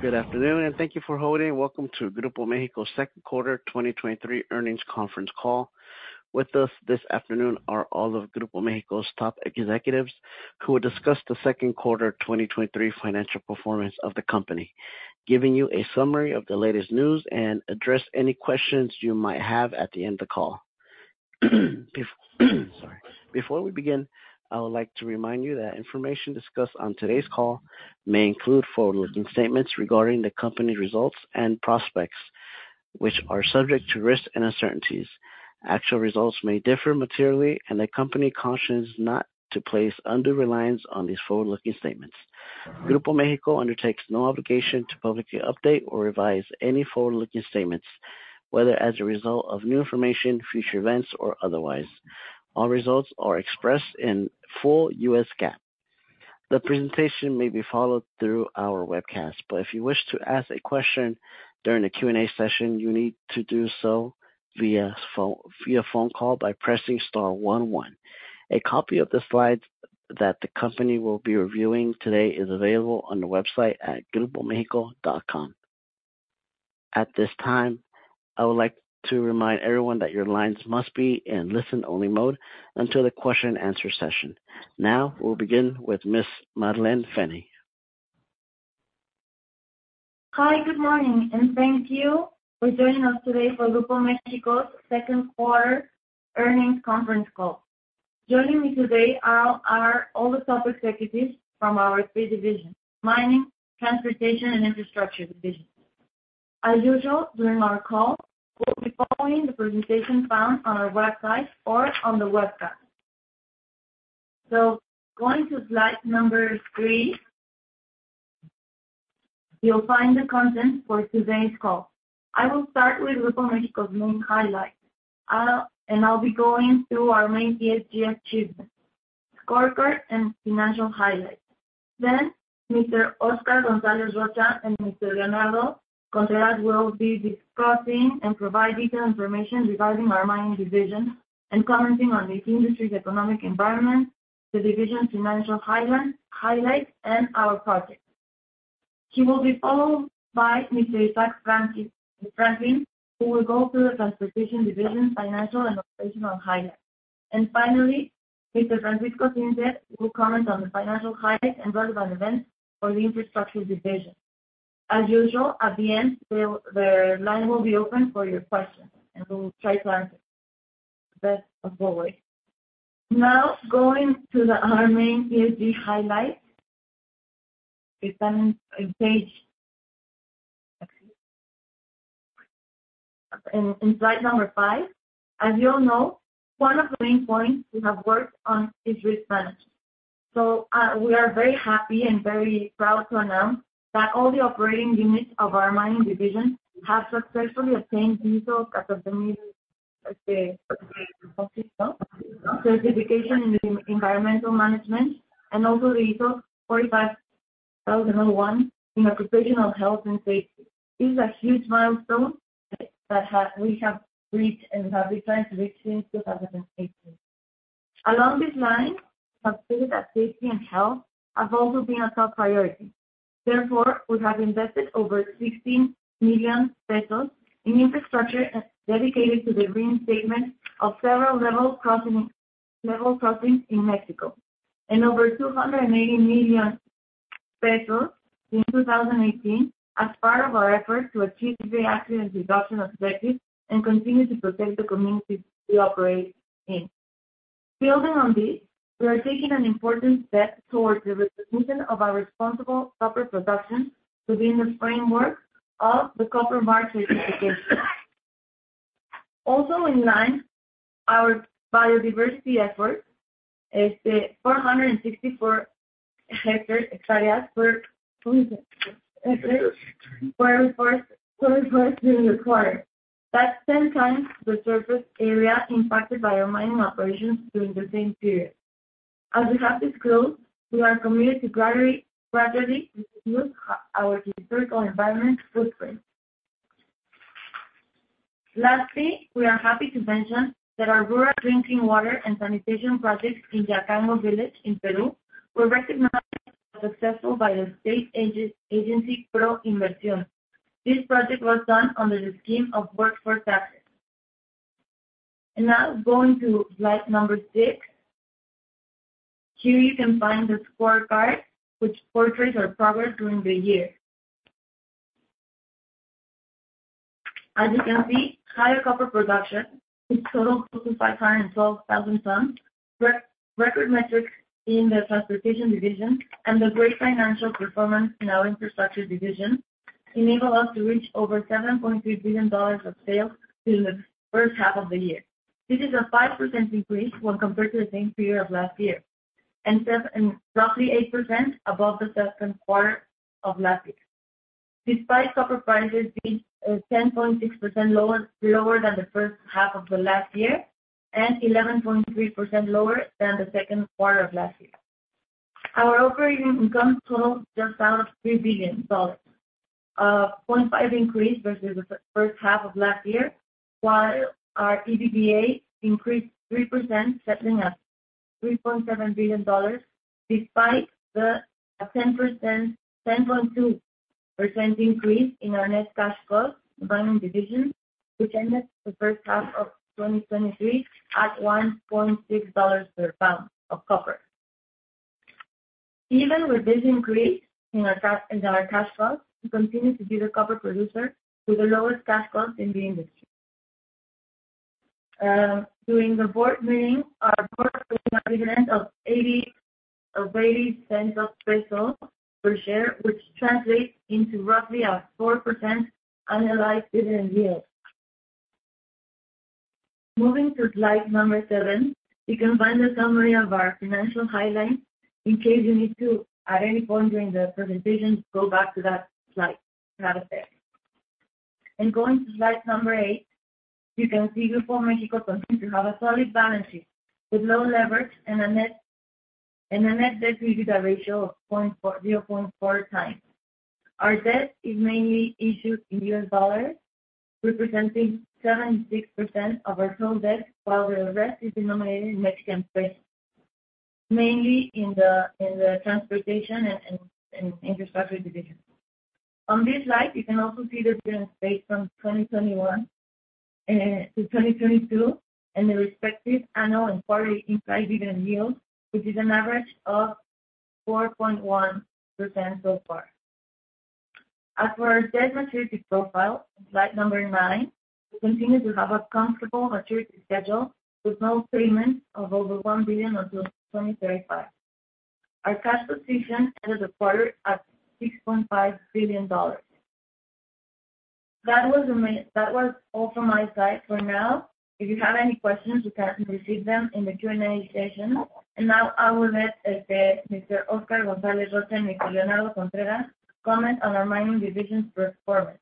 Good afternoon, and thank you for holding. Welcome to Grupo México's second quarter 2023 earnings conference call. With us this afternoon are all of Grupo México's top executives, who will discuss the second quarter 2023 financial performance of the company, giving you a summary of the latest news, and address any questions you might have at the end of the call. Sorry. Before we begin, I would like to remind you that information discussed on today's call may include forward-looking statements regarding the company's results and prospects, which are subject to risks and uncertainties. Actual results may differ materially, and the company cautions not to place undue reliance on these forward-looking statements. Grupo México undertakes no obligation to publicly update or revise any forward-looking statements, whether as a result of new information, future events, or otherwise. All results are expressed in full U.S. GAAP. The presentation may be followed through our webcast. If you wish to ask a question during the Q&A session, you need to do so via phone call by pressing star one, one. A copy of the slides that the company will be reviewing today is available on the website at gmexico.com. At this time, I would like to remind everyone that your lines must be in listen-only mode until the question and answer session. Now, we'll begin with Ms. Marlene Finny. Hi, good morning, and thank you for joining us today for Grupo México's second quarter earnings conference call. Joining me today are all the top executives from our three divisions: mining, transportation, and infrastructure division. As usual, during our call, we'll be following the presentation found on our website or on the webcast. Going to slide number three, you'll find the content for today's call. I will start with Grupo México's main highlights. I'll be going through our main ESG achievements, scorecard and financial highlights. Mr. Oscar González Rocha and Mr. Leonardo Contreras will be discussing and provide detailed information regarding our mining division, commenting on the industry's economic environment, the division's financial highlights and our projects. He will be followed by Mr. Isaac Franklin, who will go through the transportation division's financial and operational highlights. Finally, Mr. Francisco Zinser will comment on the financial highlights and relevant events for the infrastructure division. As usual, at the end, the line will be open for your questions, and we'll try to answer the best of our way. Now, going to our main ESG highlights, it's on slide five. As you all know, one of the main points we have worked on is Risk Management. We are very happy and very proud to announce that all the operating units of our mining division have successfully obtained ISO certification, certification in environmental management, and also the ISO 45001 in occupational health and safety. This is a huge milestone that we have reached and have been trying to reach since 2018. Along this line, we have seen that safety and health have also been a top priority. Therefore, we have invested over 16 million pesos in infrastructure dedicated to the reinstatement of several level crossing, level crossings in Mexico, and over 280 million pesos in 2018, as part of our effort to achieve the accident reduction objectives, and continue to protect the communities we operate in. Building on this, we are taking an important step towards the recognition of our responsible copper production to be in the framework of the Copper Mark certification. Also in line, our biodiversity efforts, is the 464 hectare areas per during the quarter. That's 10x the surface area impacted by our mining operations during the same period. As we have disclosed, we are committed to gradually, gradually reduce our historical environment footprint. Lastly, we are happy to mention that our rural drinking water and sanitation projects in Yacango Village in Peru were recognized as successful by the state agency, ProInversión. This project was done under the scheme of workforce taxes. Now going to slide number six. Here you can find the scorecard, which portrays our progress during the year. As you can see, higher copper production is total 5,512,000 tons. Record metrics in the transportation division and the great financial performance in our infrastructure division, enable us to reach over $7.3 billion of sales during the first half of the year. This is a 5% increase when compared to the same period of last year, and roughly 8% above the second quarter of last year. Despite copper prices being 10.6% lower, lower than the first half of last year, and 11.3% lower than the second quarter of last year. Our operating income totaled just out of $3 billion, a 0.5% increase versus the first half of last year, while our EBITDA increased 3%, settling at $3.7 billion, despite the 10.2% increase in our net cash cost mining division, which ended the first half of 2023 at $1.6 per pound of copper. Even with this increase in our cash flow, we continue to be the copper producer with the lowest cash cost in the industry. During the Board meeting, our Board declared a dividend of 0.80 per share, which translates into roughly a 4% annualized dividend yield. Moving to slide number seven, you can find a summary of our financial highlights in case you need to, at any point during the presentation, go back to that slide, that effect. Going to slide number eight, you can see Grupo México continues to have a solid balance sheet, with low leverage and a net, and a net debt ratio of 0.4x. Our debt is mainly issued in U.S. dollars, representing 76% of our total debt, while the rest is denominated in Mexican pesos, mainly in the transportation and infrastructure division. On this slide, you can also see the difference based on 2021 to 2022, and the respective annual and quarterly inside dividend yield, which is an average of 4.1% so far. As for our debt maturity profile, slide number nine, we continue to have a comfortable maturity schedule, with no payments of over $1 billion until 2035. Our cash position ended the quarter at $6.5 billion. That was all from my side for now. If you have any questions, you can receive them in the Q&A session. Now I will let Mr. Oscar González Rocha and Mr. Leonardo Contreras comment on our mining division's performance.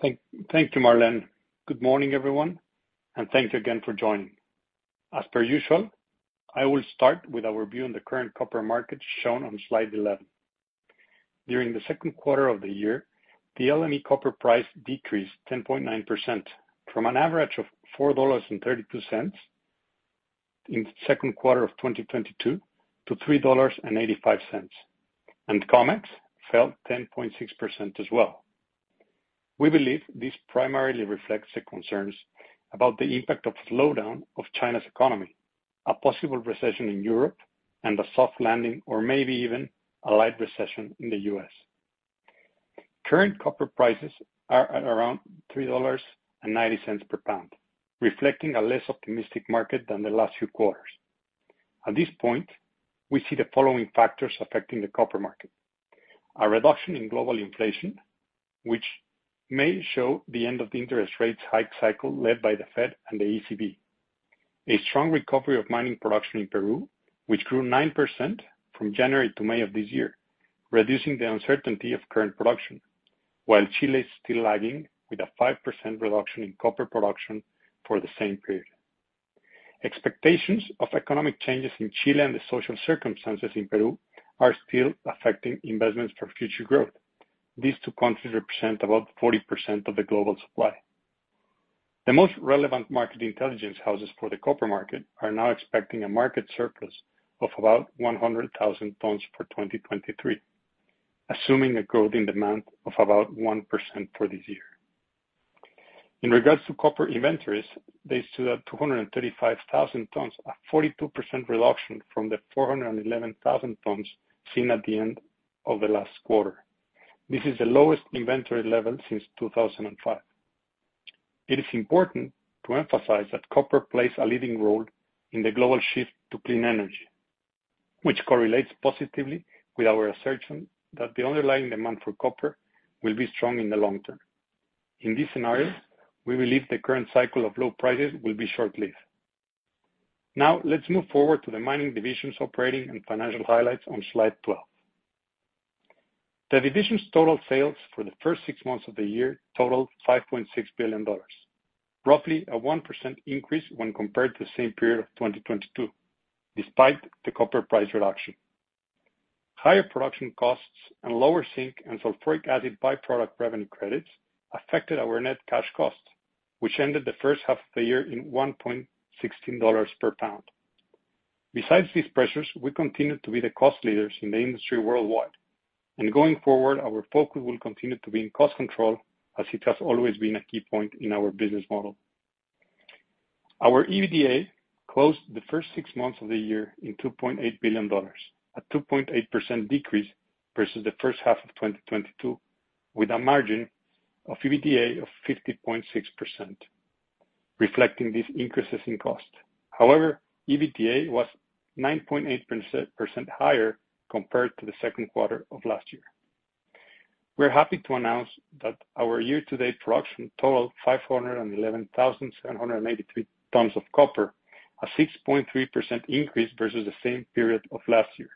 Thank, thank you, Marlene. Good morning, everyone, and thanks again for joining. As per usual, I will start with our view on the current copper market, shown on slide 11. During the second quarter of the year, the LME copper price decreased 10.9%, from an average of $4.32 in the second quarter of 2022, to $3.85, and COMEX fell 10.6% as well. We believe this primarily reflects the concerns about the impact of slowdown of China's economy, a possible recession in Europe, and a soft landing, or maybe even a light recession in the U.S. Current copper prices are at around $3.90 per pound, reflecting a less optimistic market than the last few quarters. At this point, we see the following factors affecting the copper market: A reduction in global inflation, which may show the end of the interest rates hike cycle led by the Fed and the ECB. A strong recovery of mining production in Peru, which grew 9% from January to May of this year, reducing the uncertainty of current production, while Chile is still lagging, with a 5% reduction in copper production for the same period. Expectations of economic changes in Chile. The social circumstances in Peru are still affecting investments for future growth. These two countries represent about 40% of the global supply. The most relevant market intelligence houses for the copper market are now expecting a market surplus of about 100,000 tons for 2023, assuming a growth in demand of about 1% for this year. In regards to copper inventories, they stood at 235,000 tons, a 42% reduction from the 411,000 tons seen at the end of the last quarter. This is the lowest inventory level since 2005. It is important to emphasize that copper plays a leading role in the global shift to clean energy, which correlates positively with our assertion that the underlying demand for copper will be strong in the long term. In this scenario, we believe the current cycle of low prices will be short-lived. Let's move forward to the mining division's operating and financial highlights on slide 12. The division's total sales for the first six months of the year totaled $5.6 billion, roughly a 1% increase when compared to the same period of 2022, despite the copper price reduction. Higher production costs and lower zinc and sulfuric acid byproduct revenue credits affected our net cash cost, which ended the first half of the year in $1.16 per pound. Besides these pressures, we continue to be the cost leaders in the industry worldwide, and going forward, our focus will continue to be in cost control, as it has always been a key point in our business model. Our EBITDA closed the first six months of the year in $2.8 billion, a 2.8% decrease versus the first half of 2022, with a margin of EBITDA of 50.6%, reflecting these increases in cost. EBITDA was 9.8% higher compared to the second quarter of last year. We're happy to announce that our year-to-date production totaled 511,783 tons of copper, a 6.3% increase versus the same period of last year,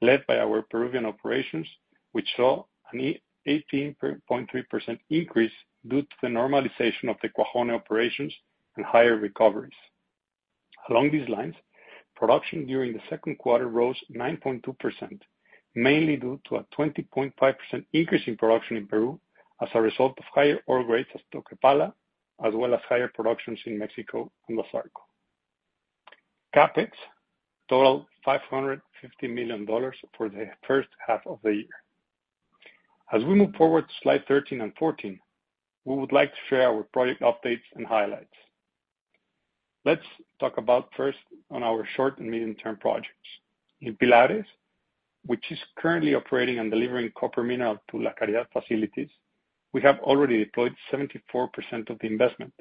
led by our Peruvian operations, which saw an 18.3% increase due to the normalization of the Cuajone operations and higher recoveries. Along these lines, production during the second quarter rose 9.2%, mainly due to a 20.5% increase in production in Peru, as a result of higher ore grades as Toquepala, as well as higher productions in Mexico and El Arco. CapEx totaled $550 million for the first half of the year. As we move forward to slide 13 and 14, we would like to share our project updates and highlights. Let's talk about first on our short and medium-term projects. In Pilares, which is currently operating and delivering copper mineral to La Caridad facilities, we have already deployed 74% of the investment,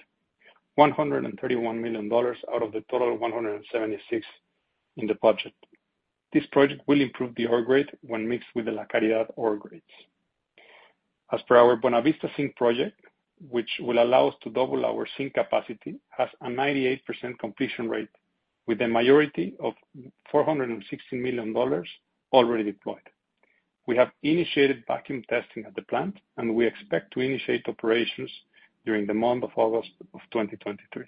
$131 million out of the total $176 million in the budget. This project will improve the ore grade when mixed with the La Caridad ore grades. As per our Buenavista zinc project, which will allow us to double our zinc capacity, has a 98% completion rate, with the majority of $460 million already deployed. We have initiated vacuum testing at the plant, and we expect to initiate operations during the month of August of 2023.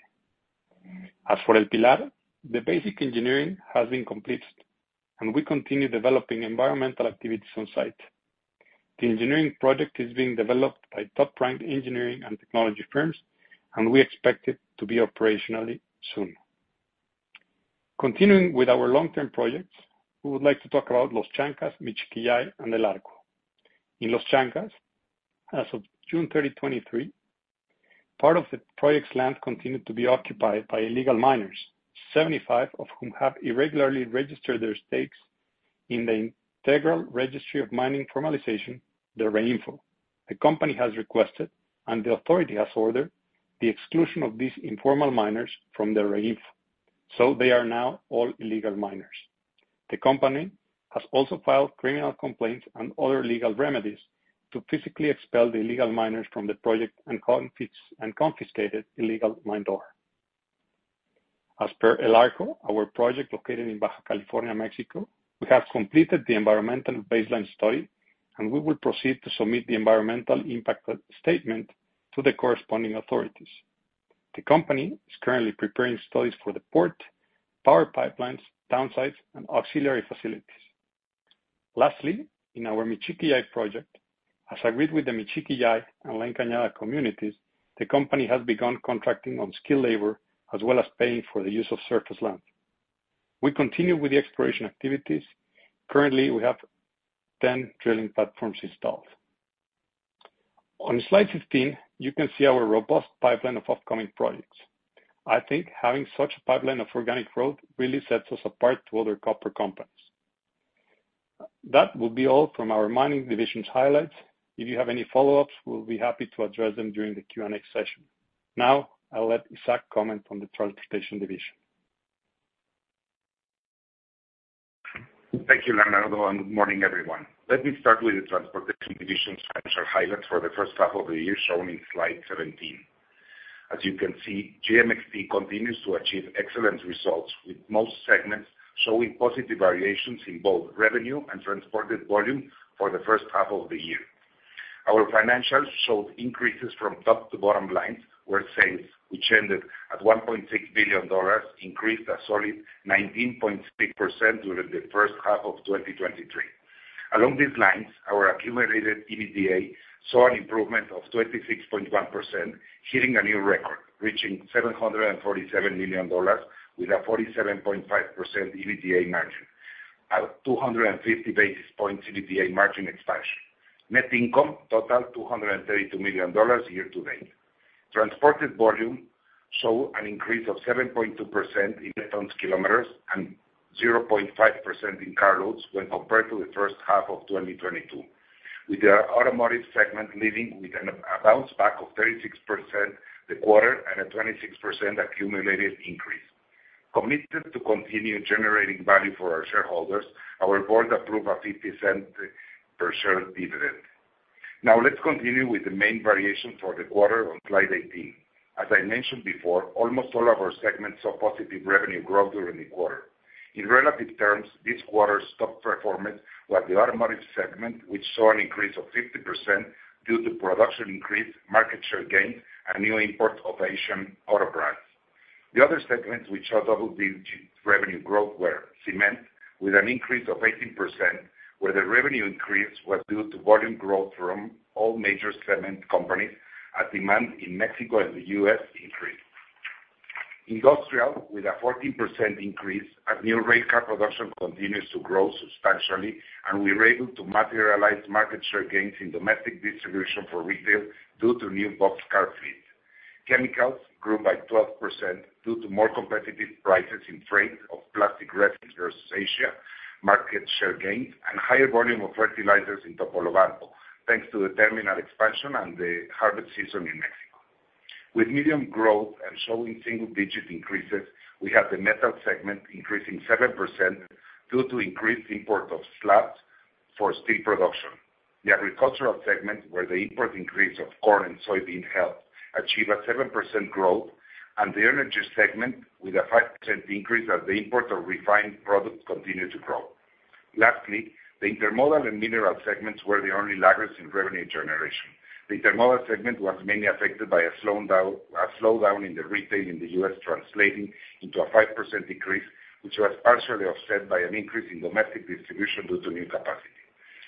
As for El Pilar, the basic engineering has been completed, and we continue developing environmental activities on site. The engineering project is being developed by top-ranked engineering and technology firms, and we expect it to be operationally soon. Continuing with our long-term projects, we would like to talk about Los Chancas, Michiquillay, and El Arco. In Los Chancas, as of June 30, 2023, part of the project's land continued to be occupied by illegal miners, 75 of whom have irregularly registered their stakes in the Integral Registry of Mining Formalization, the REINFO. The company has requested, and the authority has ordered, the exclusion of these informal miners from the REINFO, so they are now all illegal miners. The company has also filed criminal complaints and other legal remedies to physically expel the illegal miners from the project and confiscated illegal mined ore. As per El Arco, our project located in Baja California, Mexico, we have completed the environmental baseline study, and we will proceed to submit the environmental impact statement to the corresponding authorities. The company is currently preparing studies for the port, power pipelines, town sites, and auxiliary facilities. Lastly, in our Michiquillay project, as agreed with the Michiquillay and La Encañada communities, the company has begun contracting on skilled labor, as well as paying for the use of surface land. We continue with the exploration activities. Currently, we have 10 drilling platforms installed. On slide 16, you can see our robust pipeline of upcoming projects. I think having such a pipeline of organic growth really sets us apart to other copper companies. That will be all from our mining division's highlights. If you have any follow-ups, we'll be happy to address them during the Q&A session. Now, I'll let Isaac comment on the transportation division. Thank you, Leonardo, and good morning, everyone. Let me start with the transportation division's financial highlights for the first half of the year, shown in slide 17. As you can see, GMXT continues to achieve excellent results, with most segments showing positive variations in both revenue and transported volume for the first half of the year. Our financials showed increases from top to bottom lines, where sales, which ended at $1.6 billion, increased a solid 19.6% during the first half of 2023. Along these lines, our accumulated EBITDA saw an improvement of 26.1%, hitting a new record, reaching $747 million, with a 47.5% EBITDA margin, at 250 basis points EBDA margin expansion. Net income totaled $232 million year to date. Transported volume saw an increase of 7.2% in ton km, and 0.5% in carloads when compared to the first half of 2022, with the automotive segment leading with a bounce back of 36% the quarter, and a 26% accumulated increase. Committed to continue generating value for our shareholders, our Board approved a $0.50 per share dividend. Now, let's continue with the main variation for the quarter on slide 18. As I mentioned before, almost all of our segments saw positive revenue growth during the quarter. In relative terms, this quarter's top performance was the automotive segment, which saw an increase of 50% due to production increase, market share gain, and new import of Asian auto brands. The other segments which saw double-digit revenue growth were cement, with an increase of 18%, where the revenue increase was due to volume growth from all major cement companies as demand in Mexico and the U.S. increased. Industrial, with a 14% increase, as new railcar production continues to grow substantially, and we were able to materialize market share gains in domestic distribution for retail due to new box car fleet. Chemicals grew by 12% due to more competitive prices in freight of plastic resin versus Asia, market share gains, and higher volume of fertilizers in Topolobampo, thanks to the terminal expansion and the harvest season in Mexico. With medium growth and showing single-digit increases, we have the methods segment increasing 7% due to increased import of slabs for steel production. The agricultural segment, where the import increase of corn and soybean helped achieve a 7% growth, and the energy segment with a 5% increase as the import of refined products continued to grow. Lastly, the intermodal and mineral segments were the only laggards in revenue generation. The intermodal segment was mainly affected by a slowdown in the retail in the U.S., translating into a 5% decrease, which was partially offset by an increase in domestic distribution due to new capacity.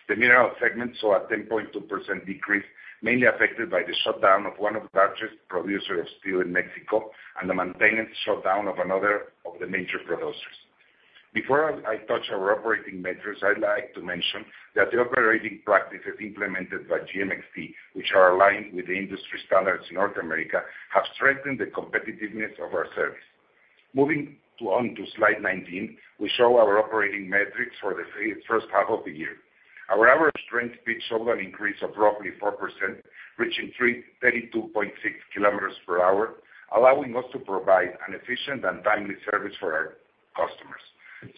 The mineral segment saw a 10.2% decrease, mainly affected by the shutdown of one of the largest producer of steel in Mexico and the maintenance shutdown of another of the major producers. Before I touch our operating metrics, I'd like to mention that the operating practices implemented by GMXT, which are aligned with the industry standards in North America, have strengthened the competitiveness of our service. Moving on to slide 19, we show our operating metrics for the first half of the year. Our average train speed showed an increase of roughly 4%, reaching 332.6 km per hour, allowing us to provide an efficient and timely service for our customers.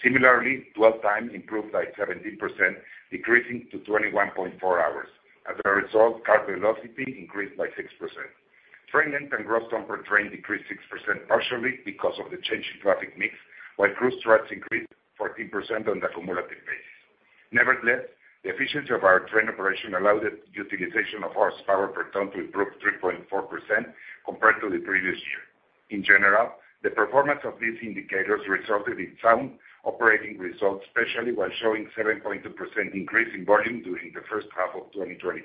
Similarly, dwell time improved by 17%, decreasing to 21.4 hours. As a result, car velocity increased by 6%. Train length and gross ton per train decreased 6%, partially because of the change in traffic mix, while crew starts increased 14% on the cumulative basis. Nevertheless, the efficiency of our train operation allowed the utilization of horsepower per ton to improve 3.4% compared to the previous year. In general, the performance of these indicators resulted in sound operating results, especially while showing 7.2% increase in volume during the first half of 2023.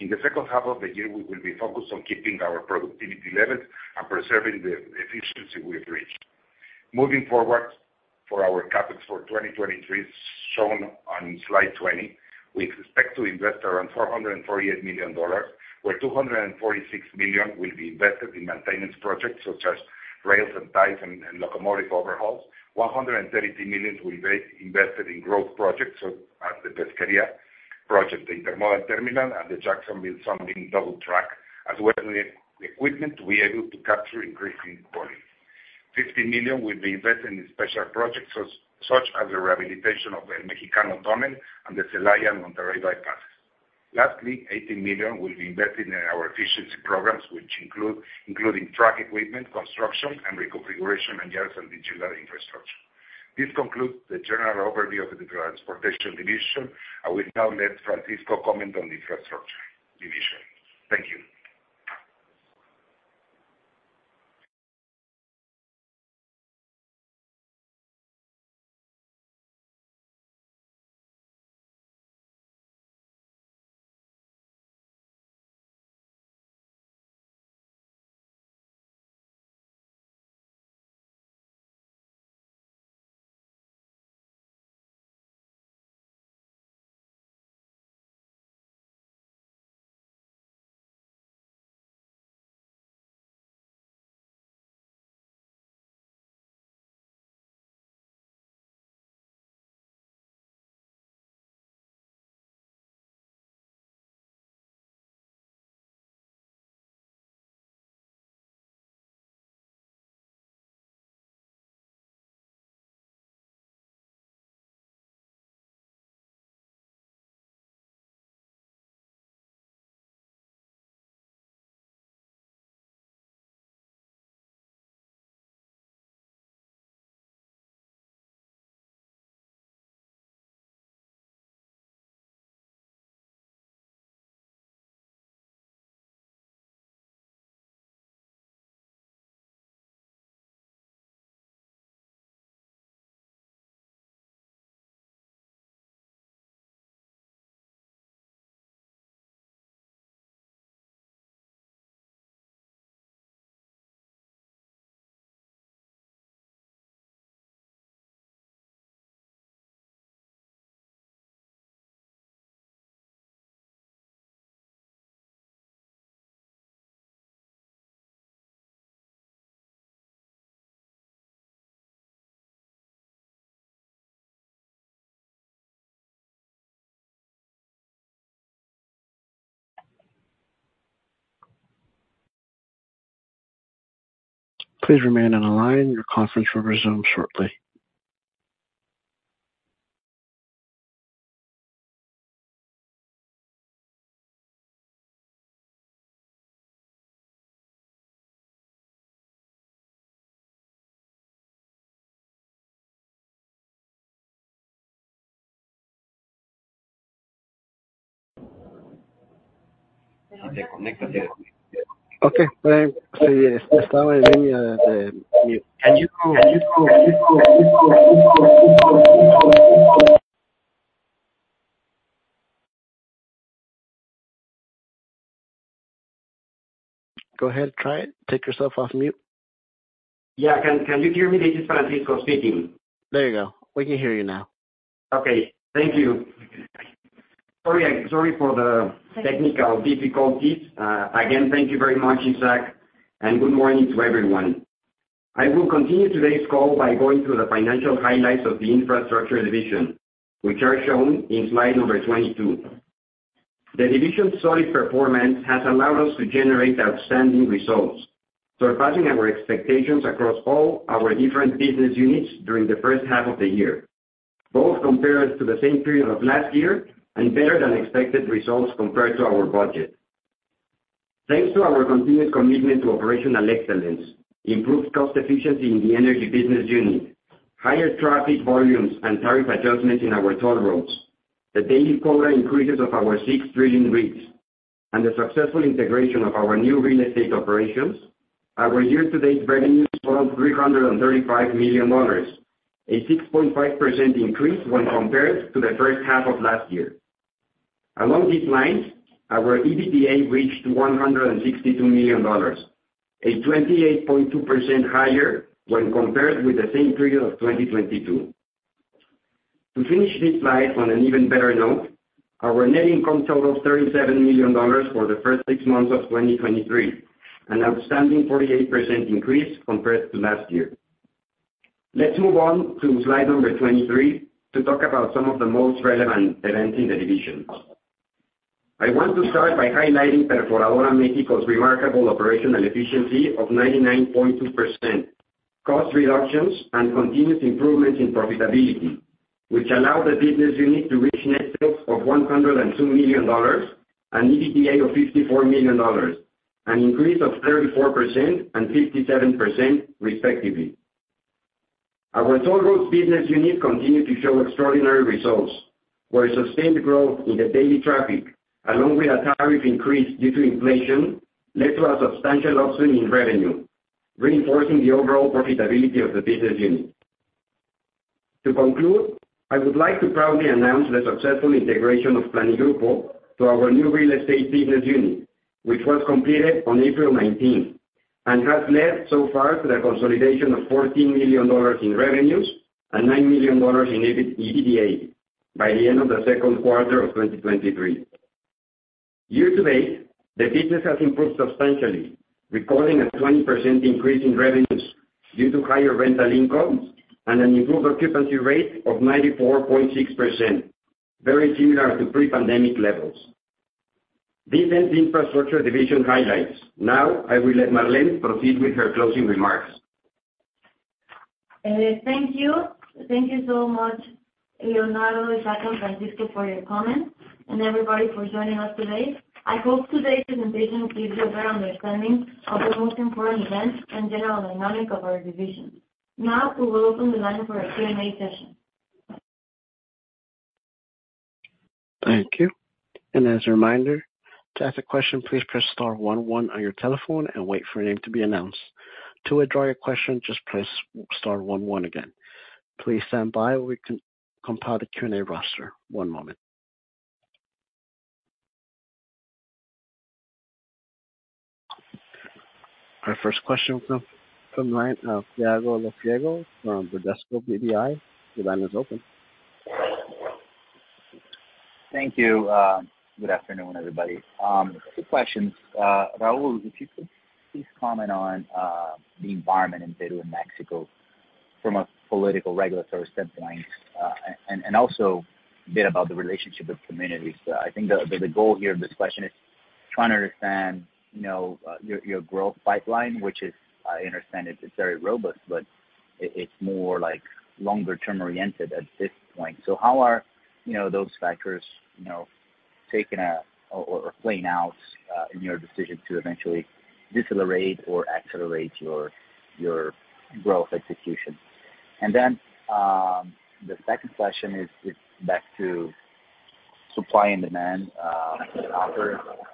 In the second half of the year, we will be focused on keeping our productivity levels and preserving the efficiency we've reached. Moving forward, for our CapEx for 2023, shown on slide 20, we expect to invest around $448 million, where $246 million will be invested in maintenance projects such as rails and ties and locomotive overhauls. $130 million will be invested in growth projects, so as the Pesquería project, the intermodal terminal, and the Jacksonville-Sumter double track, as well as the equipment to be able to capture increasing volume. $50 million will be invested in special projects, such as the rehabilitation of El Mexicano Tunnel and the Celaya-Monterrey bypass. Lastly, $18 million will be invested in our efficiency programs, including track equipment, construction, and reconfiguration and yards and digital infrastructure. This concludes the general overview of the transportation division. I will now let Francisco comment on the Infrastructure division. Thank you. Please remain on the line. Your conference will resume shortly. Okay, so you, you're still in the, the mute. Can you- [inaudible] Go ahead, try it. Take yourself off mute. Yeah. Can, can you hear me? This is Francisco speaking. There you go. We can hear you now. Okay. Thank you. Sorry, sorry for the technical difficulties. Again, thank you very much, Isaac, and good morning to everyone. I will continue today's call by going through the financial highlights of the infrastructure division, which are shown in slide number 22. The division's solid performance has allowed us to generate outstanding results, surpassing our expectations across all our different business units during the first half of the year, both compared to the same period of last year and better than expected results compared to our budget. Thanks to our continued commitment to operational excellence, improved cost efficiency in the energy business unit, higher traffic volumes and tariff adjustments in our toll roads, the daily quota increases of our six drilling rigs, and the successful integration of our new real estate operations, our year-to-date revenues total $335 million, a 6.5% increase when compared to the first half of last year. Along these lines, our EBITDA reached $162 million, a 28.2% higher when compared with the same period of 2022. To finish this slide on an even better note, our net income totals $37 million for the first six months of 2023, an outstanding 48% increase compared to last year. Let's move on to slide number 23 to talk about some of the most relevant events in the divisions. I want to start by highlighting Perforadora México's remarkable operational efficiency of 99.2%. Cost reductions and continuous improvements in profitability, which allowed the business unit to reach net sales of $102 million, and EBITDA of $54 million, an increase of 34% and 57% respectively. Our toll roads business unit continued to show extraordinary results, where sustained growth in the daily traffic, along with a tariff increase due to inflation, led to a substantial upswing in revenue, reinforcing the overall profitability of the business unit. To conclude, I would like to proudly announce the successful integration of Planigrupo to our new real estate business unit, which was completed on April 19th, and has led so far to the consolidation of $14 million in revenues and $9 million in EBITDA by the end of the second quarter of 2023. Year to date, the business has improved substantially, recording a 20% increase in revenues due to higher rental income and an improved occupancy rate of 94.6%, very similar to pre-pandemic levels. These are the Infrastructure division highlights. I will let Marlene proceed with her closing remarks. Thank you. Thank you so much, Leonardo, Isaac, and Francisco, for your comments, and everybody for joining us today. I hope today's presentation gives you a better understanding of the most important events and general dynamic of our division. Now, we will open the line for our Q&A session. Thank you. As a reminder, to ask a question, please press star one one on your telephone and wait for your name to be announced. To withdraw your question, just press star one one again. Please stand by while we compile the Q&A roster. One moment. Our first question from the line of Thiago Lofiego from Bradesco BBI. Your line is open. Thank you. Good afternoon, everybody. Two questions. Raul, if you could please comment on the environment in Peru and Mexico from a political, regulatory standpoint, and also a bit about the relationship with communities. I think the goal here of this question is trying to understand, you know, your growth pipeline, which is, I understand it's very robust, it's more like longer term-oriented at this point. How are, you know, those factors, you know, taking a or playing out in your decision to eventually decelerate or accelerate your growth execution? The second question is back to supply and demand,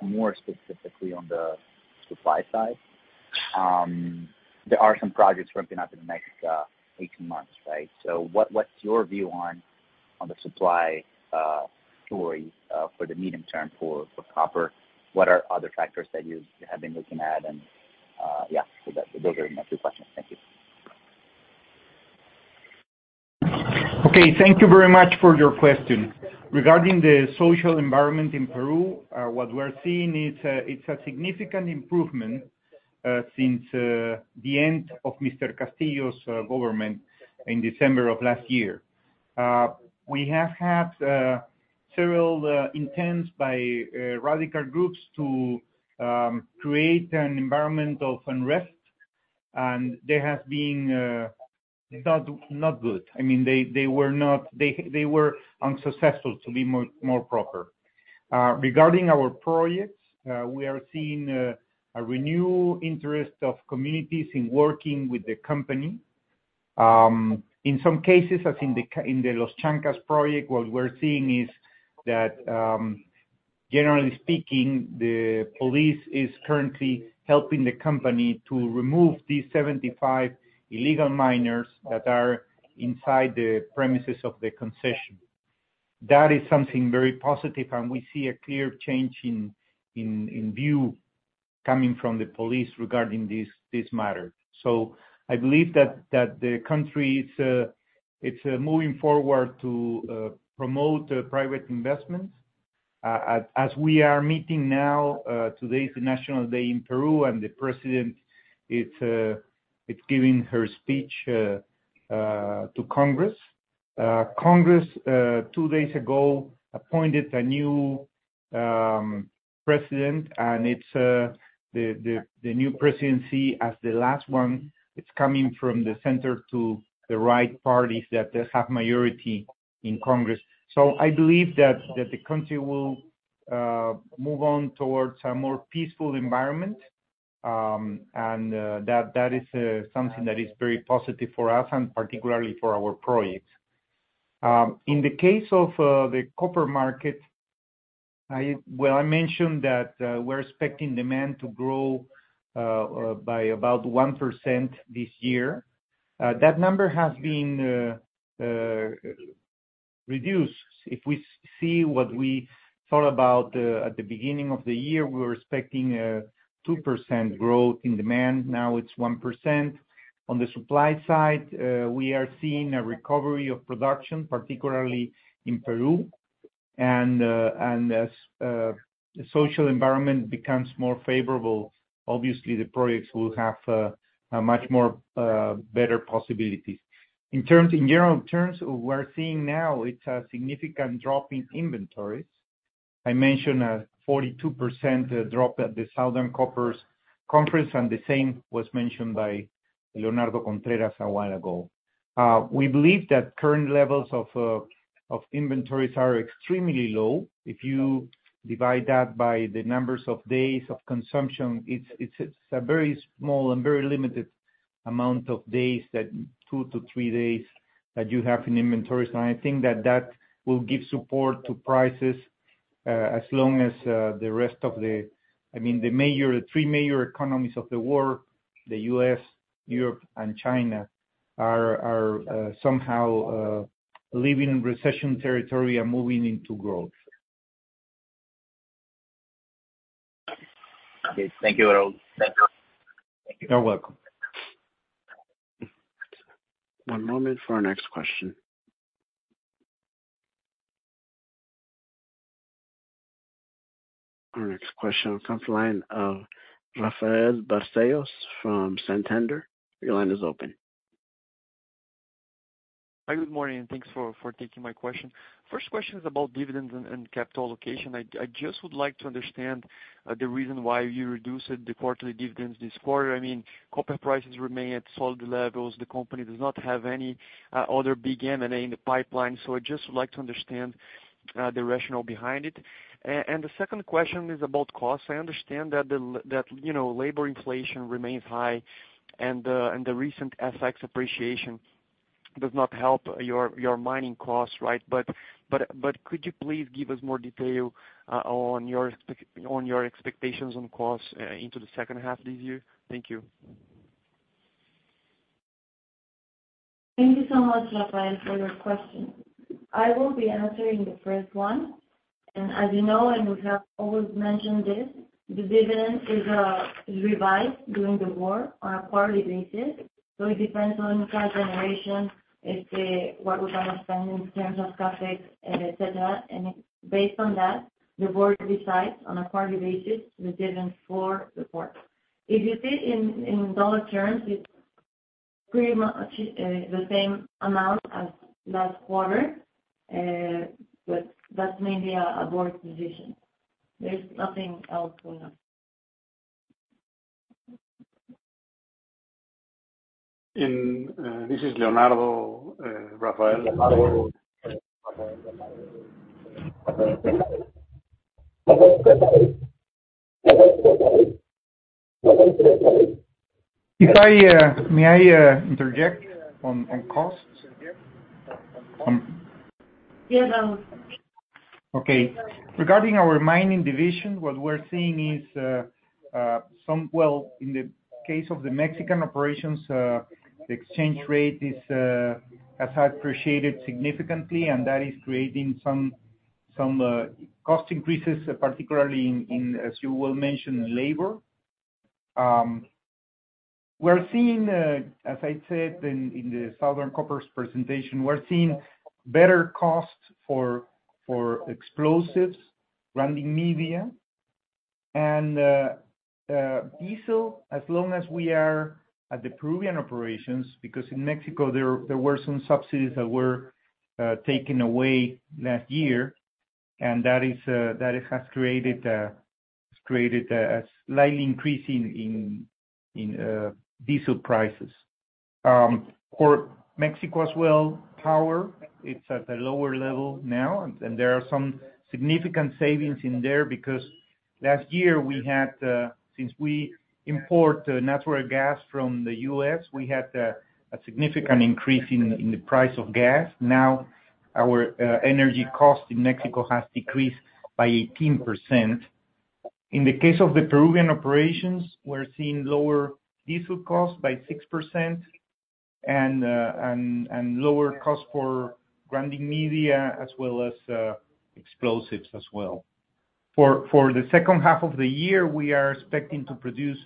more specifically on the supply side. There are some projects ramping up in the next 18 months, right? What, what's your view on, on the supply story for the medium term for, for copper? What are other factors that you have been looking at? Yeah, so those are my two questions. Thank you. Okay, thank you very much for your question. Regarding the social environment in Peru, what we're seeing, it's a significant improvement since the end of Mr. Castillo's government in December of last year. We have had several intents by radical groups to create an environment of unrest, and they have been not, not good. I mean, they were unsuccessful, to be more, more proper. Regarding our projects, we are seeing a renewed interest of communities in working with the company. In some cases, as in the Los Chancas project, what we're seeing is that, generally speaking, the police is currently helping the company to remove these 75 illegal miners that are inside the premises of the concession. That is something very positive, we see a clear change in, in, in view coming from the police regarding this, this matter. I believe that, that the country it's moving forward to promote private investments. As, as we are meeting now, today is the National Day in Peru, the president is giving her speech to Congress. Congress, two days ago appointed a new president, and it's the, the, the new presidency as the last one, it's coming from the center to the right parties that has majority in Congress. I believe that, that the country will move on towards a more peaceful environment. That, that is something that is very positive for us and particularly for our projects. In the case of the copper market, well, I mentioned that we're expecting demand to grow by about 1% this year. That number has been reduced. If we see what we thought about at the beginning of the year, we were expecting a 2% growth in demand. Now, it's 1%. On the supply side, we are seeing a recovery of production, particularly in Peru, and as the social environment becomes more favorable, obviously the projects will have a much more better possibilities. In general terms, we're seeing now it's a significant drop in inventories. I mentioned a 42% drop at the Southern Copper, and the same was mentioned by Leonardo Contreras a while ago. We believe that current levels of inventories are extremely low. If you divide that by the numbers of days of consumption, it's, it's a very small and very limited amount of days, that 2-3 days, that you have in inventories. I think that that will give support to prices, as long as the rest of the I mean, the major, three major economies of the world, the U.S., Europe, and China, are, are, somehow leaving recession territory and moving into growth. Okay, thank you all. Thank you. You're welcome. One moment for our next question. Our next question comes line of Rafael Barcellos from Santander. Your line is open. Hi, good morning, and thanks for taking my question. First question is about dividends and, and capital allocation. I just would like to understand the reason why you reduced the quarterly dividends this quarter. I mean, copper prices remain at solid levels. The company does not have any other big M&A in the pipeline, so I just would like to understand the rationale behind it. The second question is about costs. I understand that, you know, labor inflation remains high, and the recent FX appreciation does not help your, your mining costs, right? Could you please give us more detail on your expectations on costs into the second half of this year? Thank you. Thank you so much, Rafael, for your question. I will be answering the first one. As you know, and we have always mentioned this, the dividend is revised during the war on a quarterly basis, so it depends on cash generation, let's say, what we're going to spend in terms of CapEx and et cetera. Based on that, the Board decides on a quarterly basis the dividend for the quarter. If you see in, in dollar terms, it's pretty much the same amount as last quarter, but that's mainly a Board decision. There's nothing else going on. This is Leonardo, Rafael. Leonardo. If I, may I, interject on, on costs? Yeah, go. Okay. Regarding our mining division, what we're seeing is, in the case of the Mexican operations, the exchange rate has appreciated significantly, and that is creating some cost increases, particularly as you well mentioned, labor. We're seeing, as I said in the Southern Copper's presentation, we're seeing better costs for explosives, grinding media, and diesel, as long as we are at the Peruvian operations. In Mexico, there were some subsidies that were taken away last year, and that has created a slightly increase in diesel prices. For Mexico as well, power, it's at a lower level now, and there are some significant savings in there because last year we had, since we import natural gas from the U.S., we had a significant increase in the price of gas. Now, our energy cost in Mexico has decreased by 18%. In the case of the Peruvian operations, we're seeing lower diesel costs by 6% and lower cost for grinding media, as well as explosives as well. For the second half of the year, we are expecting to produce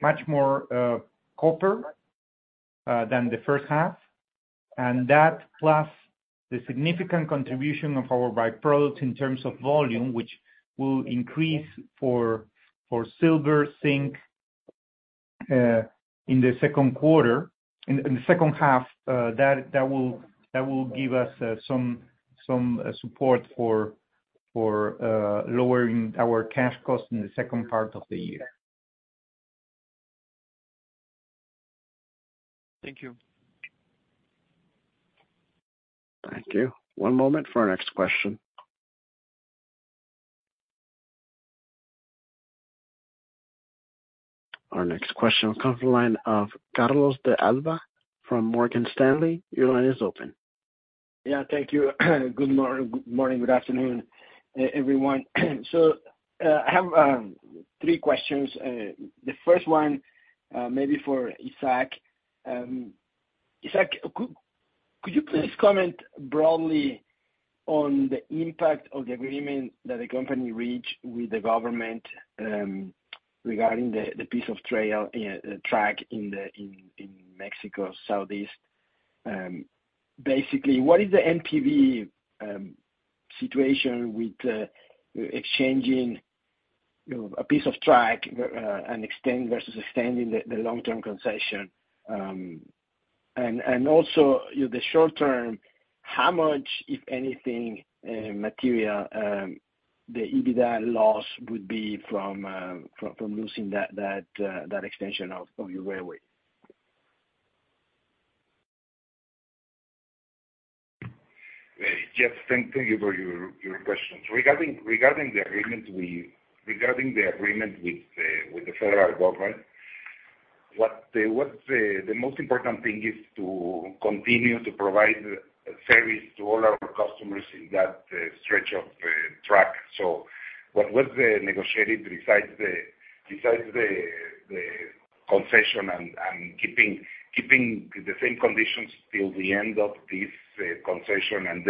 much more copper than the first half, and that plus the significant contribution of our by-products in terms of volume, which will increase for silver, zinc, in the second quarter. In the second half, that will give us some, support for lowering our cash costs in the second part of the year. Thank you. Thank you. One moment for our next question. Our next question will come from the line of Carlos de Alba from Morgan Stanley. Your line is open. Yeah, thank you. Good morning, good morning, good afternoon, everyone. I have three questions. The first one, maybe for Isaac. Isaac, could you please comment broadly on the impact of the agreement that the company reached with the government regarding the piece of trail track in Mexico southeast? Basically, what is the MPV situation with exchanging, you know, a piece of track and extend versus extending the long-term concession? Also, you know, the short term, how much, if anything, material, the EBITDA loss would be from losing that extension of your railway? Jeff, thank, thank you for your, your questions. Regarding the agreement with the federal government, the most important thing is to continue to provide service to all our customers in that stretch of the track. What was negotiated besides the concession and keeping the same conditions till the end of this concession,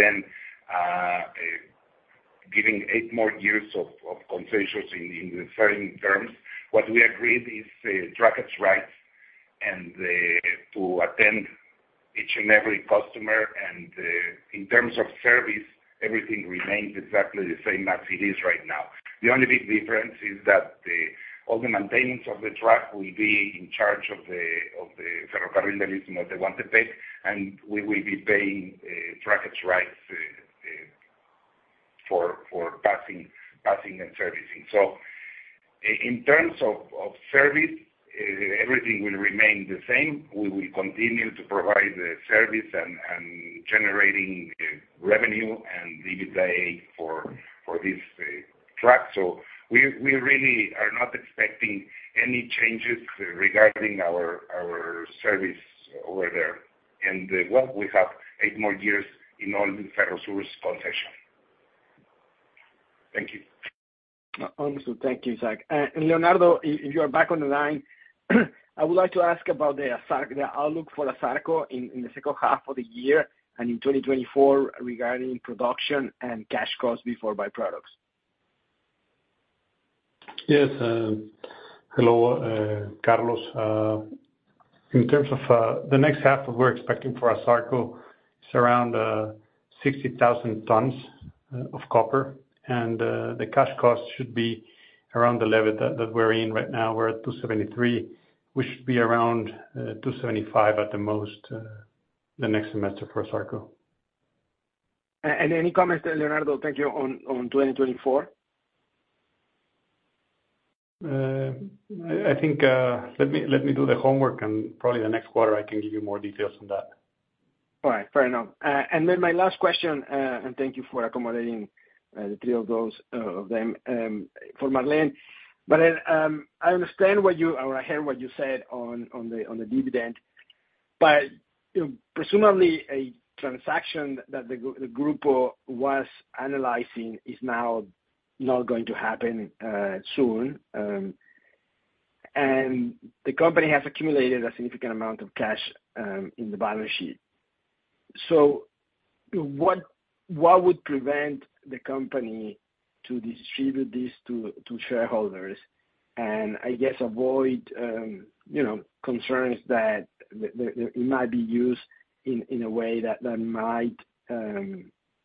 giving eight more years of concessions in the same terms. What we agreed is the trackage rights to attend each and every customer, in terms of service, everything remains exactly the same as it is right now. The only big difference is that the, all the maintenance of the track will be in charge of the ferrocarril, they want to take, and we will be paying trackage rights for passing and servicing. In terms of service, everything will remain the same. We will continue to provide the service and, and generating revenue and EBITDA for, for this track. We really are not expecting any changes regarding our service over there. Well, we have eight more years in all the Ferrosur's concession. Thank you. Thank you, Isaac. Leonardo, if you are back on the line, I would like to ask about the ASARCO, the outlook for ASARCO in the second half of the year and in 2024, regarding production and cash costs before byproducts. Yes, hello, Carlos. In terms of the next half, we're expecting for ASARCO is around 60,000 tons of copper, and the cash cost should be around the level that, that we're in right now. We're at $2.73. We should be around $2.75 at the most, the next semester for ASARCO. Any comments, Leonardo, thank you, on 2024? I think, let me do the homework and probably the next quarter I can give you more details on that. All right. Fair enough. Then my last question, thank you for accommodating the three of those of them. For Marlene, I understand what you or I heard what you said on the dividend, but presumably a transaction that the Grupo was analyzing is now not going to happen soon. The company has accumulated a significant amount of cash in the balance sheet. What would prevent the company to distribute this to shareholders and I guess, avoid, you know, concerns that it might be used in a way that might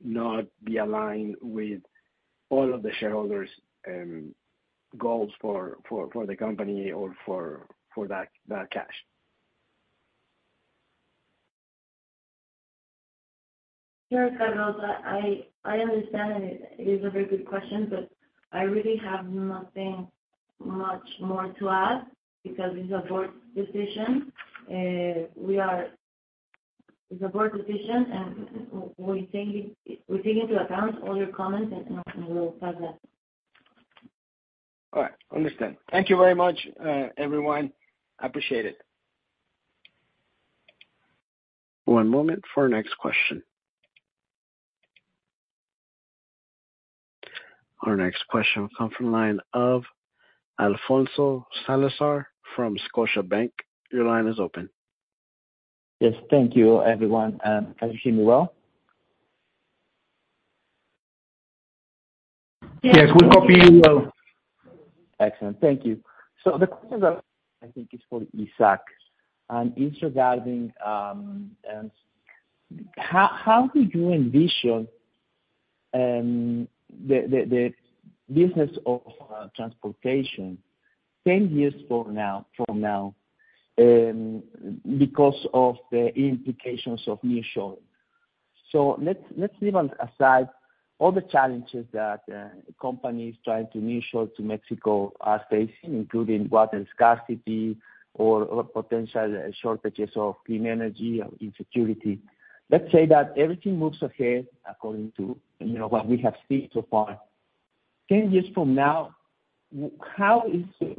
not be aligned with all of the shareholders goals for the company or for that cash? Sure, Carlos, I understand, and it is a very good question, but I really have nothing much more to add because it's a Board decision. It's a Board decision, and we take into account all your comments and we'll have that. All right. Understand. Thank you very much, everyone. I appreciate it. One moment for our next question. Our next question will come from the line of Alfonso Salazar from Scotiabank. Your line is open. Yes. Thank you, everyone. Can you hear me well? Yes, we copy you well. Excellent. Thank you. The question, I think, is for Isaac, and it's regarding, and how did you envision, the business of, transportation 10 years from now, because of the implications of nearshoring? Let's, let's leave aside all the challenges that companies trying to nearshore to Mexico are facing, including water scarcity or potential shortages of clean energy or insecurity. Let's say that everything moves ahead according to, you know, what we have seen so far. 10 years from now, how is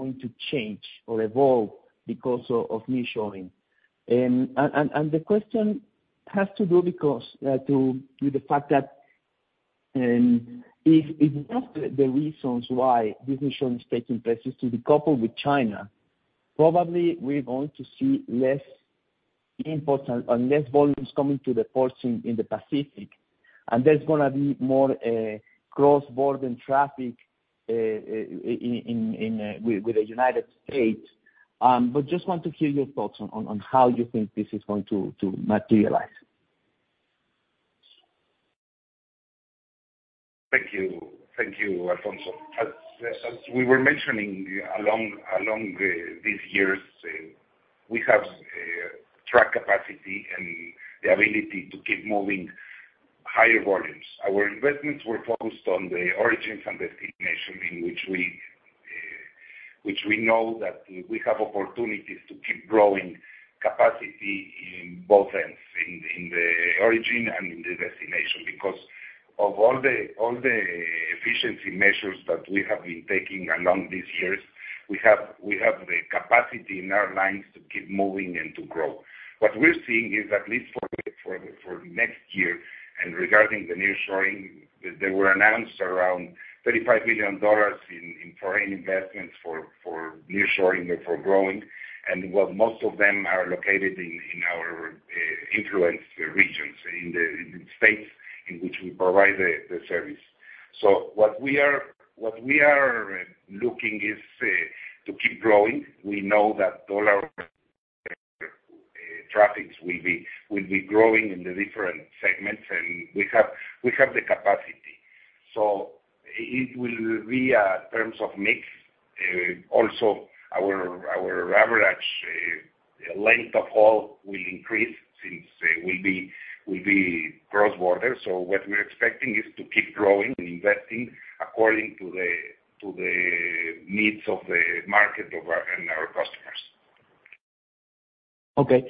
it going to change or evolve because of nearshoring? The question has to do because to the fact that if one of the reasons why this nearshoring is taking place is to decouple with China, probably we're going to see less imports and less volumes coming to the ports in the Pacific, and there's gonna be more cross-border traffic in with the United States. Just want to hear your thoughts on how you think this is going to materialize. Thank you. Thank you, Alfonso. As, as we were mentioning, along the, these years, we have track capacity and the ability to keep moving higher volumes. Our investments were focused on the origins and destination in which we, which we know that we have opportunities to keep growing capacity in both ends, in, in the origin and in the destination. Because of all the, all the efficiency measures that we have been taking along these years, we have the capacity in our lines to keep moving and to grow. What we're seeing is, at least for next year, and regarding the nearshoring, they were announced around $35 billion in foreign investments for nearshoring or for growing, and what most of them are located in our influence regions, in the states in which we provide the service. What we are, what we are looking is to keep growing. We know that all our traffics will be growing in the different segments, and we have the capacity. It will be terms of mix. Also, our average length of haul will increase since will be cross-border. What we're expecting is to keep growing and investing according to the needs of the market of our, and our customers. Okay.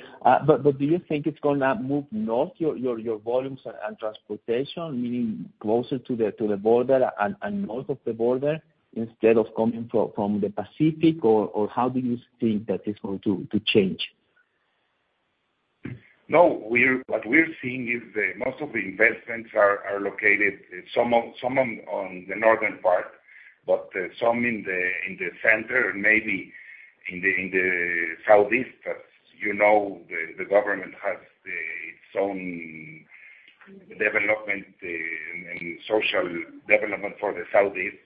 do you think it's gonna move north, your volumes and transportation, meaning closer to the border and north of the border instead of coming from the Pacific? How do you think that is going to change? No, what we're seeing is the most of the investments are located some on the northern part, but, some in the center, maybe in the southeast. You know, the government has its own development, and social development for the southeast.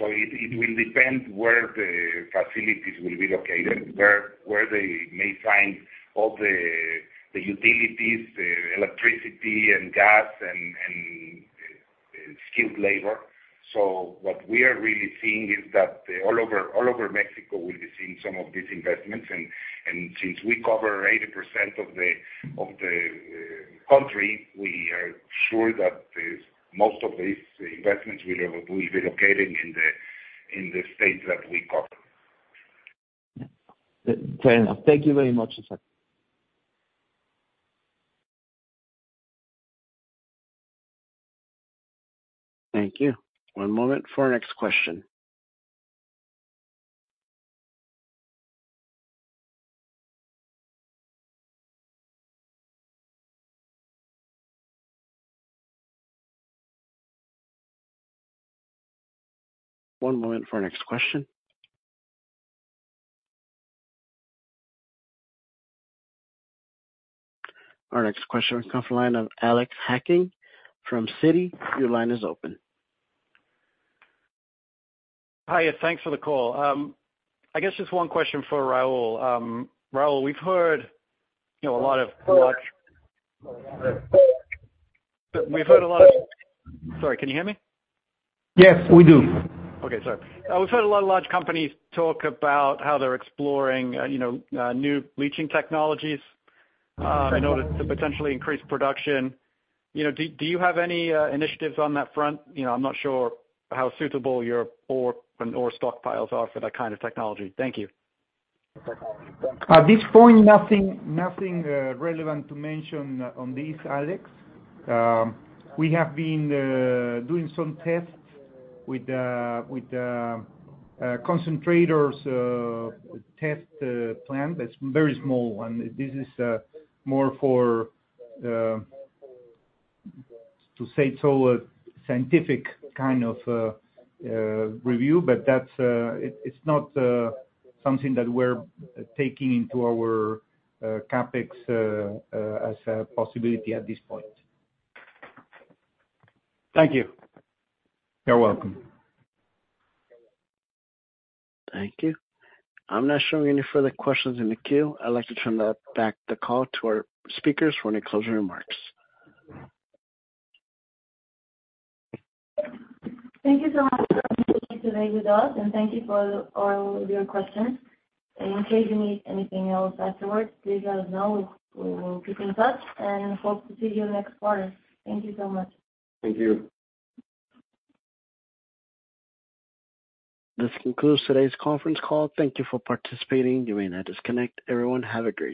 It will depend where the facilities will be located, where they may find all the utilities, the electricity and gas, and skilled labor. What we are really seeing is that all over Mexico, we'll be seeing some of these investments. Since we cover 80% of the country, we are sure that the most of these investments will be located in the states that we cover. Yeah. Fair enough. Thank you very much Sir. Thank you. One moment for our next question. One moment for our next question. Our next question comes from the line of Alex Hacking from Citi. Your line is open. Hi, thanks for the call. I guess just one question for Raul. Raul, we've heard, you know. Hello? Sorry, can you hear me? Yes, we do. Okay. Sorry. We've heard a lot of large companies talk about how they're exploring, you know, new leaching technologies, in order to potentially increase production. You know, do, do you have any initiatives on that front? You know, I'm not sure how suitable your ore and ore stockpiles are for that kind of technology. Thank you. At this point, nothing, nothing, relevant to mention on this, Alex. We have been doing some tests with the, with the concentrators, test plant. That's very small one. This is more for to say so, a scientific kind of review, but that's it, it's not something that we're taking into our CapEx as a possibility at this point. Thank you. You're welcome. Thank you. I'm not showing any further questions in the queue. I'd like to turn the back the call to our speakers for any closing remarks. Thank you so much for being here today with us, and thank you for all of your questions. In case you need anything else afterwards, please let us know. We will keep in touch and hope to see you next quarter. Thank you so much. Thank you. This concludes today's conference call. Thank you for participating. You may now disconnect. Everyone, have a great day.